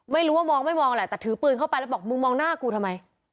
ไม่รู้ว่ามองไม่มองแหละแต่ถือปืนเข้าไปแล้วบอกมึงมองหน้ากูทำไม